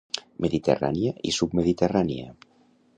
Mediterrània i submediterrània.